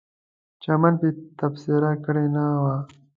چا منفي تبصره کړې نه وه.